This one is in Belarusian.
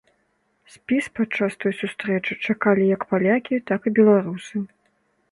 Спіс падчас той сустрэчы чакалі як палякі, так і беларусы.